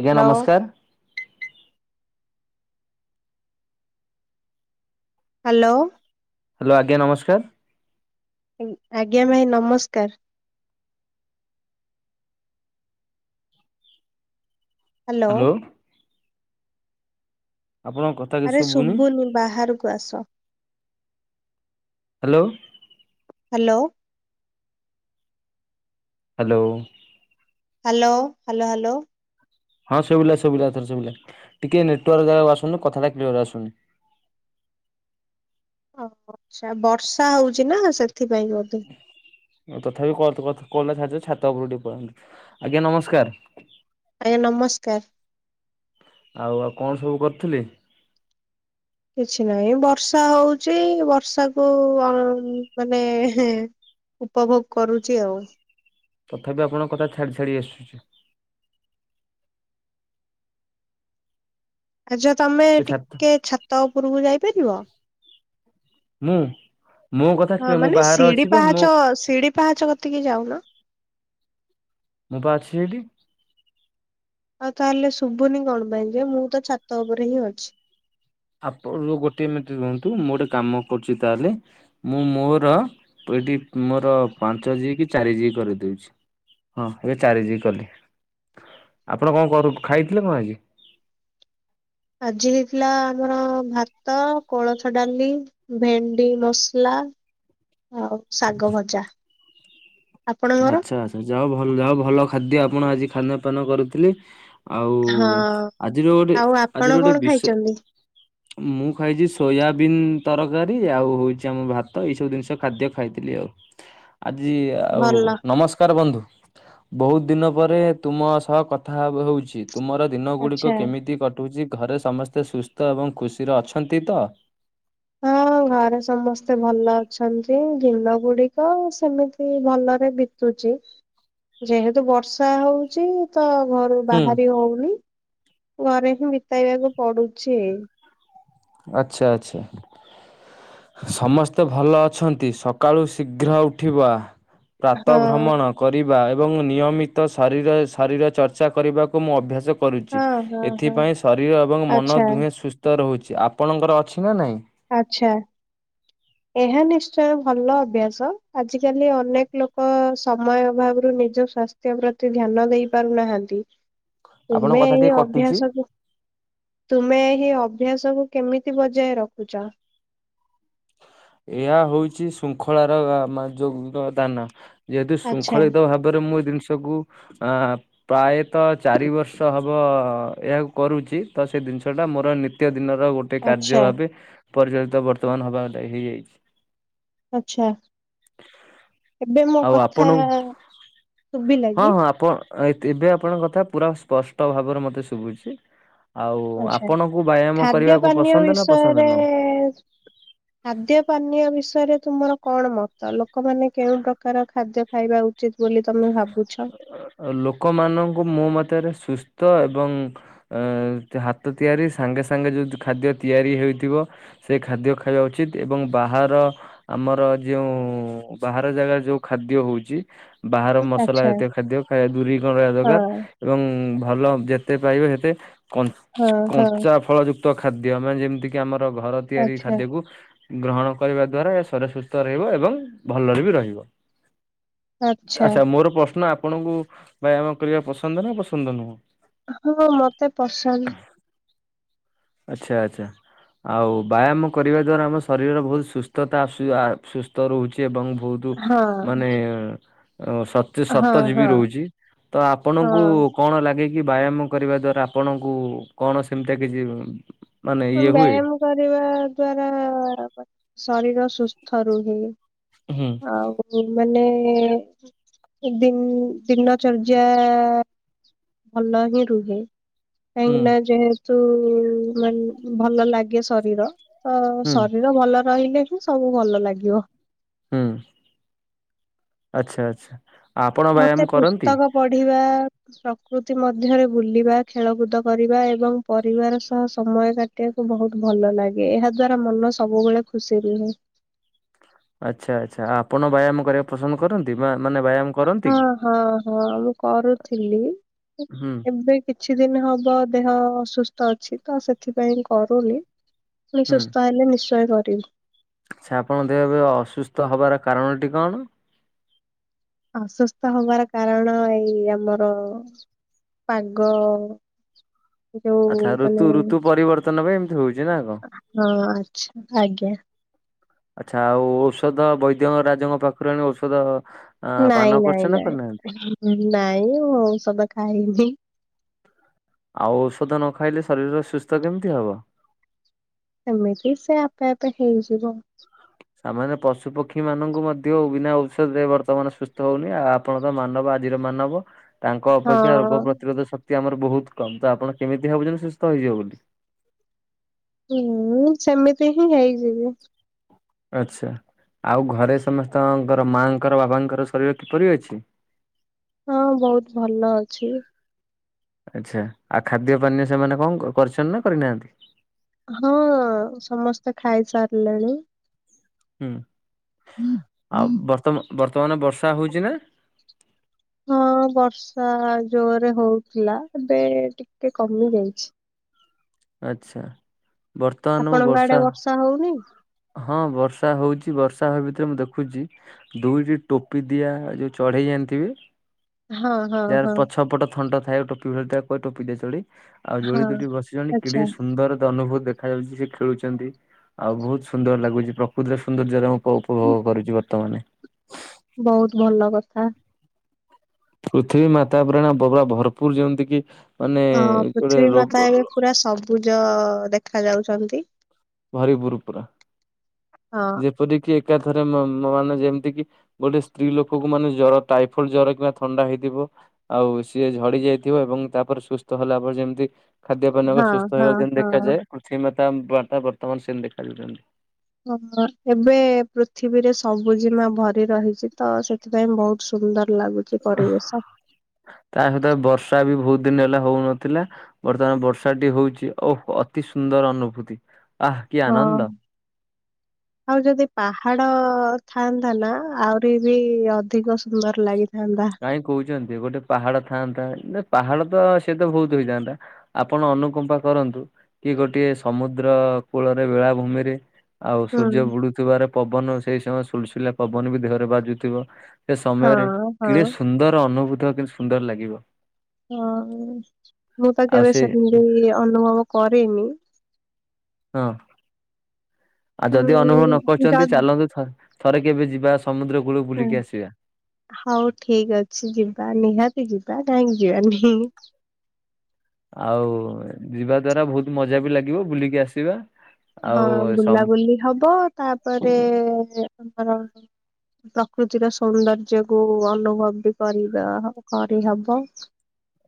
ଆଜ୍ଞା ହ୍ୟାଲୋ। ନମସ୍କାର। Hello! Hello ଆଜ୍ଞା ନମସ୍କାର! ଆଜ୍ଞା ଭାଇ ନମସ୍କାର। ହ୍ୟାଲୋ! ଆପଣଙ୍କ କଥା କିଛି ଆରେ ଶୁଭୁନି ବାହାରକୁ ଆସ hello! Hello! Hello! Hello hello hello! ହଁ ସବିଲା ସବିଲାଥର ସବିଲା ଟିକେ ନେଟାର୍ାଗ ଆସୁନୁ କଥାଟା କ୍ୟର ଆସୁନି [inaudible] ହ ଆଛା ବର୍ଷା ହଉଛି ନା ସେ ତଥାପି କ ଛା ଛାତ ଉପରୁ ଟିକେ ପନ୍ତି ଆଜ୍ଞା ନମସ୍କାର! ଆଜ୍ଞା ନମସ୍କାର! ଆଉ ଆଉ କଣ ସବୁ କରିଥିଲି? କିଛି ନହିଁ ବର୍ଷା ହଉଛି ବର୍ଷାକୁ ମାନେ ଉପଭୋଗ କରୁଛି ଆଉ। ତଥାପି ଆପଣଙ୍କ କଥା ଛାଡି ଛାଡି ଆସୁଛି। ଆଜ୍ଛା ତମେ ଏ ଛାତ ଟିକେ ଛତ ଉପୁରକୁ ଯାଇପାରିବ ମୁଁ! ମୋ କଥା ହଁ କ୍ଲିୟର ମୁଁ ମାନେ ବାହାରେ ଅଛି ସିଢି ବା ମୋ ପାହାଚ ସିଡି ପାହାଚ କତିକି ଯାଉନ। ମୁଁ ପାଛିଠି। ଆଉ ତାହେଲେ ଶୁଭୁନି କଣ ପାଇଁ ଯେ ମୁଁ ତ ଛାତ ଉପରେ ହିଁ ଅଛି। ଆପଣ ଗୋଟେ ଏମିତି କୁହନ୍ତୁ ମୁଁ ଗୋଟେ କାମ କରୁଛି ତାହେଲେ ମୁଁ ମୋର ଏଠି ମୋର ପାଞ୍ଚ ଜି କି ଚାରି ଜି କରିଦଉଛି। ହଁ ଏବେ ଚାରିଜ କଲି ଆପଣ କଣ କରୁ ଖାଇଥିଲେ କଣ ଆଜି? ଆଜି ହେଇଥିଲା ଆମର ଭାତ କୋଳଥ ଡାଲି ଭେଣ୍ଡି ମସଲା [inaudible] ହଉ ଶାଗ ଭଜା। ଆପଣଙ୍କର? ଆଚ୍ଛା ଆଚ୍ଛା ଯାହା ଭଲ ଯାହା ଭଲ ଖାଦ୍ୟ ଆପଣ ଆଜି ଖାନପାନ କରୁଥିଲେ। ଆଉ ହଁ ଆଜିର ଗୋଟେ ଆଉ ଆଜିର ଆପଣ ଗୋଟେ କଣ ବିଷୟ ଖାଇଛନ୍ତି? ମୁଁ ଖାଇଛି ସୋୟାବିନ୍ ତରକାରୀ ଆଉ ହଉଛି ଆମ ଭାତ ଏଇ ସବୁ ଜିନିଷ ଖାଦ୍ୟ ଖାଇଥିଲି ଆଉ। ଆଜି ଆଉ ଭଲ। ନମସ୍କାର ବନ୍ଧୁ ବହୁତ ଦିନ ପରେ ତୁମ ସହ କଥା ହଉଚିତ ତୁମର ଦିନଗୁଡ଼ିକ ଆଚ୍ଛା। କେମିତି କଟୁଛି? ଘରେ ସମସ୍ତେ ସୁସ୍ଥ ଏବଂ ଖୁସିର ଅଛନ୍ତି ତ? ହଁ ଘରେ ସମସ୍ତେ ଭଲ ଅଛନ୍ତି। ଗିନ ଗୁଡିକ ସେମିତି ଭଲରେ ବିତୁଛି ଯେହେତୁ ବର୍ଷା ହଉଚ ତ ଘରୁ ହୁଁ ବାହାରି ହଉନି ଅରେଖ ଭତବାଗ ପଡ଼ୁଛି। ଆଛା ଆଛା। ସମସ୍ତେ ଭଲ ଅଛନ୍ତି ସକାଳୁ ଶୀଘ୍ର ଉଠିବ ପ୍ରାତ ହଁ ଭ୍ରମଣ କରିବା ଏବଂ ନିୟମିତ ତ ଶରୀର ଶରୀର ଚର୍ଚ୍ଚା କରିବାକୁ ମୁଁ ଅଭ୍ୟାସ କରୁଛି ହଁ ହଁ ହଁ ଏଥିପାଇଁ ଶରୀର ଏବଂ ମନ ଆଚ୍ଛା ଦୁହେଁ ସୁସ୍ଥ ରହୁଛି ଆପଣଙ୍କର ଅ ଆଚ୍ଛା। ଏହା ନିଶ୍ଚୟ ଭଲ ଅଭ୍ୟାସ ଆଜିକାଲି ଅନେକ ଲୋକ ସମୟ ଅଭାବରୁ ନିଜ ସ୍ୱାସ୍ଥ୍ୟ ପ୍ରତି ଧ୍ୟାନ ଦେଇ ପାରୁନାହାନ୍ତି ଆପଣଙ୍କ ତୁମେ କଥା ଏ ଟିକେ କଟୁଛି। ଅଭ୍ୟାସକୁ ତୁମେ ସେ ଅଭ୍ୟାସ ସବୁ କେମିତି ବଜାୟ ରଖୁଛ? ଏହା ହଉଛି ଶୃଙ୍ଖଳାର ଯୌଗିକ ଦାନା ଯେହେତୁ ଆଚ୍ଛା ଶୃଙ୍ଖଳିତ ଭାବରେ ମୁଁ ଏ ଜିନିଷକୁ ଅ ପ୍ରାୟତଃ ଚାରି ବର୍ଷ ହବ। ଏହାକୁ କରୁଛି ତ ସେ ଜିନିଷଟା ମୋର ନିତ୍ୟ ଦିନର ଗୋଟେ କାର୍ଯ୍ୟ ଆଚ୍ଛା ଭାବେ ପରିଚାଳିତ ବର୍ତ୍ତମାନ ହବା ଦାୟୀ ହେଇଯାଇଛି। ଆଛା। ଏବେ ମୋ ଆଉ କଥା ଆପଣଙ୍କୁ ଶୁଭିଲା ହଁ କି? ହଁ ଆପଣ ଏବେ ଦି-ଆପଣଙ୍କ କଥା ପୁରା ସ୍ପଷ୍ଟ ଭାବରେ ମତେ ଶୁଭୁଛି। ଆଉ ଆଚ୍ଛା ଆପଣଙ୍କୁ ବ୍ୟାୟାମ ଖାଦ୍ୟ କରିବାକୁ ପାନୀୟ ପସନ୍ଦ ନା ପସନ୍ଦ ବିଷୟରେ ନୁହଁ? ଖାଦ୍ୟ ପାନୀୟ ବିଷୟରେ ତୁମର କଣ ମତ ଲୋକମାନେ କେଉଁ ପ୍ରକାର ଖାଦ୍ୟ ଖାଇବା ଉ ଲୋକମାନଙ୍କୁ ମୋ ମତରେ ସୁସ୍ ତ -ଏବଂ ହାତ ତିଆରି ସାଙ୍ଗେ ସାଙ୍ଗେ ଯୋଉ ଖାଦ୍ୟ ତିଆରି ହେଇଥିବ। ସେ ଖାଦ୍ୟ ଖାଇବା ଉଚିତ୍ ଏବଂ ବାହାର ଆମର ଯେଉଁ ବାହାର ଜାଗାରେ ଯୋଉ ଖା ଖାଦ୍ୟ ହଉଛି ବାହାର ମସଲା ଆଚ୍ଛା ଜାତୀୟ ଖାଦ୍ୟ ଦୂରେଇ ରହିବା ହଁ ଦରକାର ଏବଂ ଭଲ ଯେତେ ପାଇବେ ସେତେ ହଁ ହଁ କଞ୍ଚା ଫଳ ଯୁକ୍ତ ଖାଦ୍ୟ ମାନେ ଯେମିତିକି ଆମର ଘର ତିଆରି ଆଚ୍ଛା ଖାଦ୍ୟକୁ ଗ୍ରହଣ କରିବା ଦ୍ଵାରା ଶରୀର ସୁସ୍ଥ ରହିବ ଏବଂ ଭଲରେ ବି ରହିବ। ଆଚ୍ଛା ମୋର ପ୍ରଶ୍ନ ଆପଣଙ୍କୁ ବ୍ୟାୟାମ କରିବା ପସନ୍ଦ ନା ପସନ୍ଦ ନୁହଁ? ହଁ ମତେ ପସନ୍ଦ। ଆଚ୍ଛା ଆଚ୍ଛା। ଆଉ ବ୍ୟାୟାମ କରିବା ଦ୍ଵାରା ଆମ ଶରୀରର ବହୁତ ସୁସ୍ଥତା ଅଶୁ- ଆ-ସୁସ୍ଥ ରହୁଛି ଏବଂ ବହୁତୁ ହଁ ମାନେ ଓ ସତ ସତ ହଁ ଯିବି ହଁ ରହୁଛି ତ ଆପଣଙ୍କୁ ହଁ କଣ ଲାଗେ? ବ୍ୟାୟାମ କରିବା ଦ୍ଵାରା ଆପଣଙ୍କୁ କଣ ସେମିତିୟା କିଛି ମାନେ ଇଏ ହୁଏ? ବ୍ୟାୟାମ କରିବା ଦ୍ଵାରା ଶରୀର ସୁସ୍ଥ ରୁହେ। ହୁଁ ଆଉ [unintelligible] ମାନେ ଦିନ୍ ଦିନ ଚର୍ଯ୍ୟା ଭଲ ହିଁ ରୁହେ। ହୁଁ କାହିଁକିନା ଯେହେତୁ- ମାନେ ଭଲ ଲାଗେ ଶରୀର। ତ ହୁଁ ଶରୀର ଭଲ ରହିଲେ ହିଁ ସବୁ ଭଲ ଲାଗିବ। ହୁଁ ଆଚ୍ଛା ଆଚ୍ଛା। ଆପଣ ବ୍ୟାୟାମ ମତେ କରନ୍ତି? ପୁସ୍ତକ ପଢିବା ସ୍କୃତି ମଧ୍ୟରେ ବୁଲିବା ଖେଳକୁଦ କରିବା ଏବଂ ପରିବାର ସହ ସମୟ କାଟିବାକୁ ବହୁତ ଭଲ ଭଲ ଲାଗେ ଏହା ଦ୍ଵାରା ମନ ସବୁବେଳେ ଖୁସି ରୁହେ। ଆଛା ଆଚ୍ଛା ଆପଣ ବ୍ୟାୟାମ କରିବାକୁ ପସନ୍ଦ କରନ୍ତି? ବା ବ୍ୟାୟାମ କରନ୍ତି? ହ ହଁ ହଁ ମୁଁ କରୁଥିଲି ହୁଁ ଏବେ କିଛି ଦିନ ହବ ଦେହ ଅସୁସ୍ ତ ଅଛି ତ ସେଥିପାଇଁ କରୁନି ପୁଣି ସୁସ୍ଥ ହେଲେ ନିଶ୍ଚୟ କରିବି। ଆଛା ଆପଣ ଦେହ ଏବେ ଅସୁସ୍ଥ ହବାର କାରଣଟି କଣ? ଅସୁସ୍ଥ ହବାର କାରଣ ଏଇ ଆମର ପାଗ ଆଚ୍ଛା ଯୋଉ ଋତୁ ମାନେ ଋତୁ ପରିବର୍ତ୍ତନ ପାଇଁ ଏମିତି ହଉଛି ନା କଣ? ହଁ ଆଛା ଆଜ୍ଞା। ଆଚ୍ଛା ଆଉ ଔଷଧ ବୈଦ୍ୟ ରାଜଙ୍କ ପାଖରୁ ଆଣି ଔଷଧ ଆ ପାନ ନାଇଁ କରିଛ ନାଇଁ ନା କରିନାହାନ୍ତି? ନାଇଁ ନାଇଁ ମୁଁ ଔଷଧ ଖାଇନି। ଆଉ ଔଷଧ ନ ଖାଇଲେ ଶରୀର ସୁସ୍ଥ କେମିତି ହବ? ଏମିତି ସେ ଆପେ ଆପେ ହେଇଯିବ। ସାମାନ୍ୟ ପଶୁ ପକ୍ଷୀ ମାନଙ୍କୁ ମଧ୍ୟ ବିନା ଔଷଧରେ ବର୍ତ୍ତମାନ ସୁସ୍ଥ ହଉନି ଆଉ ଆପଣ ତ ମାନବ ଆଜି ମାନବ ତାଙ୍କ ଅପେକ୍ଷା ରୋଗ ହଁ ପ୍ରତିରୋଧ ଶକ୍ତି କ୍ତି ଆମର ବହୁତ କମ୍ ତ ଆପଣ କେମିତି ଭାବୁଛନ୍ତି ସୁସ୍ଥ ହେଇଯିବେ ବୋଲି? ହୁଁ ସେମିତି ହିଁ ହେଇଯିବି। ଆଛା। ଆଉ ଘରେ ସମସ୍ତଙ୍କର ମାଆଙ୍କର ବାବାଙ୍କର ଶରୀର କିପରି ଅଛି? ହଁ ବହୁତ ଭଲ ଅଛି। ଆଚ୍ଛା ଆଉ ଖାଦ୍ୟ ପାନୀୟ ସେମାନେ କଣ କରିଛନ୍ ନା କରିନାହାନ୍ତି? ହଁ ସମସ୍ତେ ଖାଇ ସାରିଲେଣି। ହୁଁ ଆଉ ବର୍ତ ବର୍ତ୍ତମାନ ବର୍ଷା ହଉଚି ନା? ହଁ ବର୍ଷା ଜୋରରେ ହଉଥିଲା ଏବେ ଟିକେ କମି ଯାଇଛି। ଆଛା ବର୍ତ୍ତମାନ ମୁ ଆପଣଙ୍କ ଆଡେ ବର୍ଷା ହଉନି ହଁ ବର୍ଷା ହଉଛି ବର୍ଷା ହ ଭିତରେ ମୁଁ ଦେଖୁଛି ଦୁଇଟି ଟୋପି ଦିଆ ଯୋଉ ଚଢେଇ ଜାଣିଥିବେ ହଁ ହଁ ଯାହାର ହଁ ପଛ ପଟ ଥଣ୍ଟ ଥି ଟୋପି ଭ ଟୋପି ଦିଆ ଚଢ଼େଇ ଆଉ ଯୋଳି ହଁ। ଦୋ ବସିଲେଣି ଆଚ୍ଛା କିଡେ ସୁନ୍ଦର ଅନୁଭୂତ ଦେଖାଯାଉଛି ସେ ଖେଳୁଛନ୍ତି ଆଉ ବହୁତ ସୁନ୍ଦର ଲାଗୁଛି ପ୍ରକୃତିର ସୌନ୍ଦର୍ଯ୍ୟର ଉପଭୋଗ କରୁଛି ବର୍ତ୍ତମାନ ବହୁତ ଭଲ କଥା। ପୃଥିବୀ ମାତା ପରାଣ ବବ ଭରପୁର ଯେମତି କିି ମାନେ ହଁ ଗୋଟେ ପୃଥିବୀ ମାତା ରୋଗ ଏବେ ପୁରା ସବୁଜ ଦେଖା ଯାଉଛନ୍ତି। ଭାରିିବୁର ପୁରା ହଁ ଯେପରିକି ଏକାଥରେ ମାନେ ଯେମିତି କି ଗୋଟେ ସ୍ତ୍ରୀ ଲୋକକୁ ମାନେ ଜର ଟାଇଫୋଡ ଜର କିମ୍ବା ଥଣ୍ଡା ହେଇଥିବ। ଆଉ ସିଏ ଝଡି ଯାଇଥିବ ଏବଂ ତାପରେ ସୁସ୍ଥ ହେଲା ପରେ ଯେମିତି ଖାଦ୍ୟ ପାନ ହଁ ସୁସ୍ଥ ହେବା ହଁ ଯେମତି ହଁ। ଦେଖାଯାଏ ପୃଥିବୀ ମାତା ବର୍ତ୍ତମାନ ସେମିତି ଦେଖାଯାଉଛନ୍ତି। ହ ଏବେ ପୃଥିବୀରେ ସବୁଜିମା ଭରି ରହିଛି ତ ସେଥିପାଇଁ ବହୁତ ସୁନ୍ଦର ଲାଗୁଛି ପରିବେଶ। ତା ସହିତ ବର୍ଷା ବି ବହୁତ ଦିନ ହେଲା ହଉନଥିଲା ବର୍ତ୍ତମାନ ବର୍ଷାଟି ହଉଛି ଓ ଅତି ସୁନ୍ଦର ଅନୁଭୂତି ଆଃ କି ହଁ ଆନନ୍ଦ। ଆଉ ଯଦି ପାହାଡ ଥାନ୍ ନା ଆହୁରି ବି ଅଧିକ ସୁନ୍ଦର ଲାଗିଛି କାହିଁ କହୁଛନ୍ତି ଗୋଟେ ପାହାଡ ଥାଆନ୍ତା। ନା ପାହାଡ ତ ସେ ତ ବହୁତ ହେଇଯାନ୍ତା ଆପଣ ଅନୁକମ୍ପା କରନ୍ତୁ କି ଗୋଟଏ ସମୁଦ୍ର କୂଳରେ ବେଳାଭୂମିରେ ଆଉ ହୁଁ। ସୂର୍ଯ୍ୟ ବୁଡୁଥିବାର ପବନ ସେଇ ସମୟର ସୁଲୁସୁଲୁଆ ପବନ ବି ଦେହରେ ବାଜୁଥିବ ସେ ସମୟରେ ହଁ ହଁ କେଡେ ସୁନ୍ଦର ଅନୁଭୂତ କିନ୍ତୁ ସୁନ୍ଦର ଲାଗିବ। ହଁ ମୁଁ ତ ଆଉ କେବେ ସେ ସେମିତି ଅନୁଭବ କରିନି ହଁ ଆଉ ଯଦି ଅନୁଭବ ନ ହୁଁ ଯ କରିଛନ୍ତି ଚାଲନ୍ତୁଥ ଥରେ କେବେ ଯିବାସ ହୁଁ ହଉ ଠିକ ଅଛି ଯିବା ନିହାତି ଯିବା ନାଇଁ? [unintelligible] ଆଉ ଯିବା ଦ୍ଵାରା ବହୁତ ମଜା ବି ଲାଗିବ ବୁଲିକି ଆସିବା ହଁ ଆଉ ସମ ବୁଲାବୁଲି ହବ ତାପରେ ଆମର ପ୍ରକୃତିର ସୌନ୍ଦର୍ଯ୍ୟକୁୁ ଅନୁଭବ ବି କରିବା କରିହବ।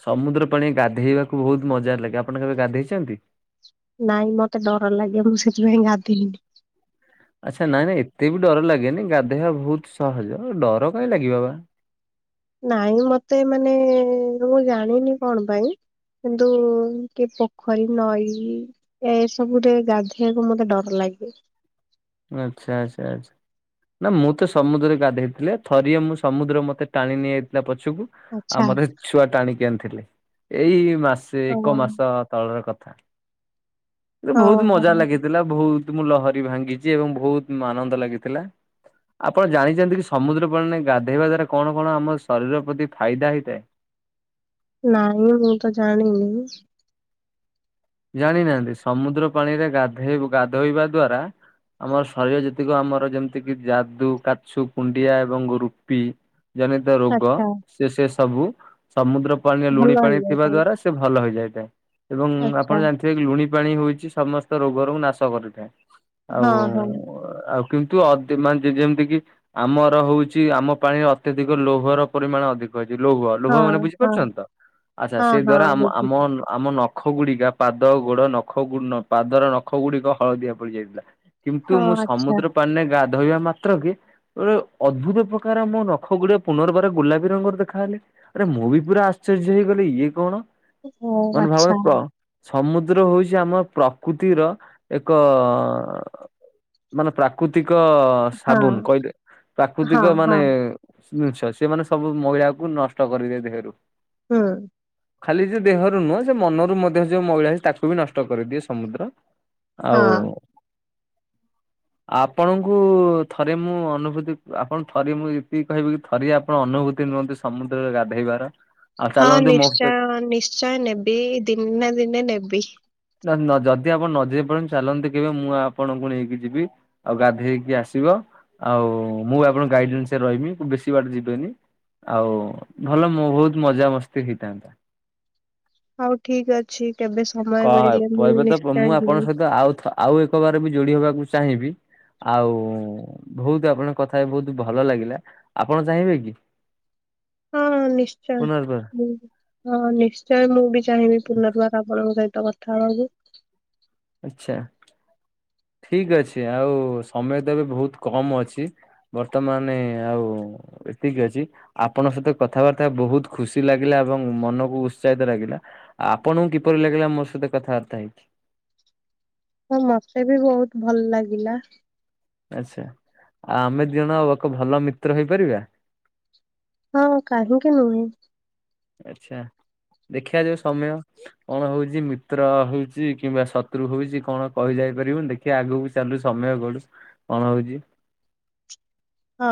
ସମୁଦ୍ର ପାଣି ଗାଧେଇବାକୁ ବହୁତ ମଜା ଲାଗେ ଆପଣ କେବେ ଗାଧେଇଛନ୍ତି? ନାଇଁ ମତେ ଡର ଲାଗେ ମୁଁ ସେଥିପାଇଁ ଗାଧେଇନି ଆଚ୍ଛା ନାଇଁ ନାଇଁ ଏତେ ବି ଡର ଲାଗେନି ଗାଧେଇବା ବହୁତ ସହଜ ଆଉ ଡର କାଇଁ ଲାଗିବ ବା? ନାଇଁ ମତେ ମାନେ ମୁଁ ଜାଣିନି କଣ ପାଇଁ କିନ୍ତୁ କିଏ ପୋଖରୀ ନଈ ଏସବୁରେ ଗାଧେଇବାକୁ ମତେ ଡର ଲାଗେ। ଆଚ୍ଛା ଆଚ୍ଛା ଆଚ୍ଛା। ନା ମୁଁ ତ ସମୁଦ୍ର ରେ ଗାଧେଇଥିଲି ଥରିଏ ମୁଁ ସମୁଦ୍ର ମତେ ଟାଣି ନେଇଯାଇଥିଲା ପଛ ଛକୁ ଆଉ ଆଚ୍ଛା ମତେ ଛୁଆ ଟାଣିକି ଆଣିଥିଲେ ଏଇ ମାସ ସେ ଓହୋ ଏକ ମାସ ତଳର କ ଏ ବହୁତ ଓହୋ ମଜା ଲାଗିଥିଲା ବହୁତ ମୁଁ ଲହରୀ ଭାଙ୍ଗି ଚି ଏବଂ ବହୁତ ଆନନ୍ଦ ଲାଗିଥିଲା। ଆପଣ ଜାଣିଛନ୍ତି କି ସମୁଦ୍ର ପଳ ନେ ଗାଧେଇବା ଦ୍ଵାରା କଣ କଣ ଆମ ଶରୀର ପ୍ରତି ଫାଇଦା ହେଇଥାଏ। ନାଇଁ ମୁଁ ତ ଜାଣିନି। ଜାଣିନାହାନ୍ତି ସମୁଦ୍ର ପାଣିରେ ଗାଧେଇ ଗାଧୋଇବା ଦ୍ଵାରା ଆମର ଶରୀରର ଯେତିକ ଆମର ଯେମିତିକି ଯାଦୁ କାଛୁ କୁଣ୍ଡିଆ ଏବଂ ରଙ୍ଗ ରୁପି ଜନିତ ରୋଗ ଆଚ୍ଛା ସେ ସେ ସବୁ ସମୁଦ୍ର ପାଣିରେ ଭଲ ଲୁଣି ପାଣି ହେଇଯାଏ ଥିବା କାଇଁ ଦ୍ଵାରା ସେ ଭଲ ହେଇଯାଇଥାଏ ଏବଂ ଆଚ୍ଛା ଆପଣ ଜାଣିଥିବେ କି ଲୁଣି ପାଣି ହୋଇଛି ସମସ୍ତ ରୋଗରୁ ନାଶ କରିଥାଏ ହଁ ଆଉ ହଁ ଆଉ କିନ୍ତୁ ଅଦି ମାନେ ଯେ ଯେମିତି କିି ଆମର ହଉଛି ଆମ ପାଣିରେ ଅତ୍ୟଧିକ ଲୌହର ପରିମାଣ ଅଧିକ ଅ ଲୌହ ଲୌହ ହଁ ମାନେ ହଁ। ବୁଝିପାରୁଛନ୍ତି ତ ଆଚ୍ଛା ହଁ ସେ ହଁ ଦ୍ଵାରା ଆମ ଆମ ବୁଝିଲି ଆମ ନଖ ଗୁଡିକା ପାଦ ଗୋଡ ନଖ ଗୁ ପାଦର ନଖ ଗୁଡିକ ହଳଦିଆ ପଡିଯାଇଥିଲା। କିନ୍ତୁ ହଁ ମୁଁ ଆଚ୍ଛା ସମୁଦ୍ର ପାଣିରେ ଗାଧୋଇବା ମାତ୍ରକେ ରେ ଅଦ୍ଭୁତ ପ୍ରକାର ମୋ ନଖ ଗୁଡିକ ପୁନର୍ବାର ଗୁଲାପୀ ରଙ୍ଗର ଦେଖାହେଲେ ଆରେ ମୁଁ ବି ପୁରା ଆ ଆଶ୍ଚର୍ଯ୍ୟ ହେଇଗଲି ଇଏ କଣ? ଓ ମାନେ ଭାବନା ଆଚ୍ଛା। ପ୍ର ସମୁଦ୍ର ହଉଛି ଆମ ପ୍ରକୃତିର ଏକ ମାନେ ପ୍ରାକୃତିକ ହଁ ସାବୁନ କହିଲେ ହଁ ପ୍ରାକୃତିକ ମାନେ ହଁ। ଜିନିଷ ସେମାନେ ସବୁ ମଇଳାକୁ ନଷ୍ଟ କରିଦିଏ ଦେହରୁ। ହୁଁ। ଖାଲି ଯୋଉ ଦେହରୁ ନୁହଁ ସେ ମନରୁ ମଧ୍ୟ ଯୋଉ ମଇଳା ଅଛି ତାକୁ ବି ନଷ୍ଟ କରିଦିଏ ସମୁଦ୍ର। ହଁ ଆଉ ଆପଣଙ୍କୁ ଥରେ ମୁଁ ଅନୁଭୂତି ଆପଣଙ୍କୁ ଥରେ ମୁଁ ଏତିକି କହିବି କି ଥରିଏ ଆପଣ ଅନ ଅନୁଭୂତି ନିଅନ୍ତି ସମୁଦ୍ରରେ ଗାଧେଇବାର। ଆଉ ହଁ ଚାଲନ୍ତୁ ମୋ ସହିତ ନିଶ୍ଚୟ ନିଶ୍ଚୟ ନେବି ଦିନେ ନା ଦିନେ ନେବି। ନ ନ ଯଦି ଆପଣ ନ ଯେଇ ପାରୁନ୍ତ ଚାଲନ୍ତୁ କେବେ ମୁଁ ଆପଣଙ୍କୁ ନେଇକି ଯିବି ଆଉ ଗାଧେଇକି ଆସିବ। ଆଉ ମୁଁ ଆପଣଙ୍କ ଗାଇଡନ୍ସରେ ରହିବି ବେଶୀ ବାଟ ଯିବେନି। ଆଉ ଭଲ ମୁ ବହୁତ ମଜା ମସ୍ତି ହେଇଥାନ୍ତା। ହଉ ଠିକ ଅଛି। କେବେ ସମୟ କ ମିଳିଲେ ମୁଁ କହିବେ ପ ତ ନିଶ୍ଚୟ ମୁଁ ଯିବି ଆପଣଙ୍କ ସହିତ ଆଉ ଥ ଆଉ ଏକ ବାର ବି ଯୋଡି ହବାକୁ ଚାହିଁବି। ଆଉ ବହୁତ ଆପଣଙ୍କ କଥା ବହୁତ ଭଲ ଲାଗିଲା ଆପଣ ଚାହିଁବେ କି? ହଁ ନିଶ୍ଚୟ। ପୁନର୍ବାର ହଁ ନିଶ୍ଚୟ ମୁଁ ବି ଚାହିଁବି ପୁନର୍ବାର ଆପଣଙ୍କ ସହି ତ କଥା ହବାକୁ। ଆଚ୍ଛା। ଠିକ ଅଛି ଆଉ ସମୟ ତ ବି ବହୁତ କମ ଅଛି ବର୍ତ୍ତମାନ ଆଉ ଏତିକି ଅଛି ଆପଣଙ୍କ ସହିତ କଥାବାର୍ତ୍ତା ବହୁତ ଖୁସି ଲାଗିଲା ଏବଂ ମନକୁ ଉତ୍ସାହିତ ଲାଗିଲା। ଆପଣଙ୍କୁ କିପରି ଲାଗିଲା ମୋ ସହିତ କଥାବାର୍ତ୍ତା ହେଇକି? ହଁ ମତେ ବି ବହୁତ ଭଲ ଲାଗିଲା। ଆଚ୍ଛା ଆଉ ଆମେ ଦି ଜଣ ଏକ ଭଲ ମିତ୍ର ହେଇପାରିବା। ହଁ କାହିଁକି ନୁହେଁ? ଆଚ୍ଛା। ଦେଖିବା ଯାଉ ସମୟ କଣ ହଉଛି ମିତ୍ର ହଉଛି କିମ୍ବା ଶତ୍ରୁ ହଉଛି କଣ କହିଯା କରିବୁନ ଦେଖିବା ଆଗକୁ ଚାଲୁ ସମୟ ଗଡୁ କଣ ହଉଛି? ହଁ।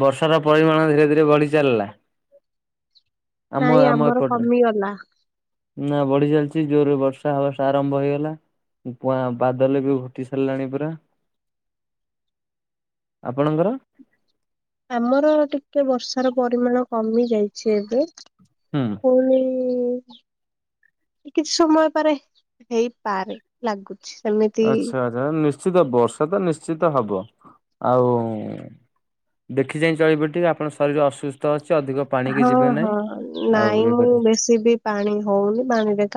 ବର୍ଷାର ପରିମାଣ ଧୀରେ ଧୀରେ ବଢି ଚାଲିଲା। ଆମ ନାଇଁ ଆମ ଆମର ଏପଟରେ। କମିଗଲା ନା ବଢି ଚାଲିଛି ଜୋରରେ ବର୍ଷା ହର୍ଷା ଆରମ୍ଭ ହେଇଗଲା। ପୁଆଁ ବାଦଲ ବି ଘୋଠି ସାରିଲାଣି ପୁରା। ଆପଣଙ୍କର। ଆମର ଟିକେ ବର୍ଷାର ପରିମାଣ କମି ଯାଇଛି ଏବେ। ହୁଁ। ହଉନି କିଛି ସମୟ ପରେ ହେଇପାରେ ଲାଗୁଛି। ସେମିତି ଆଚ୍ଛା ଆଚ୍ଛା ନିଶ୍ଚିତ ବର୍ଷା ତ ନିଶ୍ଚିତ ହବ ଆଉ ଦେଖି ଚାହିଁ ଚଳିବ ଟିକେ ଆପଣ ଶରୀର ଅସୁସ୍ଥ ଅଛି। ଅଧିକ ପାଣିକି ହଁ ଯିବେ ହଁ ନାହିଁ ଆଉ ନାଇଁ ଇଏ ମୁଁ କରି ବେଶୀ ବି ପାଣି ହଉନି ପାଣିରେ ଗା